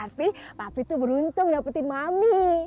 tapi papi tuh beruntung dapetin mami